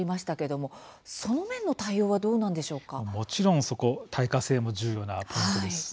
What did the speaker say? もちろん、そこ耐火性も重要なポイントです。